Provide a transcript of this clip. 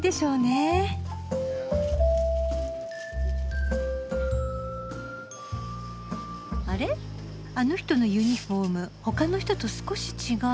あの人のユニフォームほかの人と少し違う。